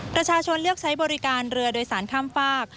ประชาชนเลือกใช้บริการเรือโดยสารข้ามฝาก